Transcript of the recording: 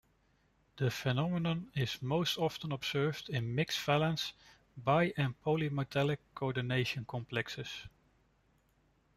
The phenomenon is most often observed in mixed-valence bi- and polymetallic coordination complexes.